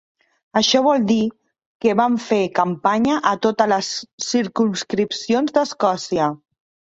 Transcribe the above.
Això vol dir que van fer campanya a totes les circumscripcions d'Escòcia.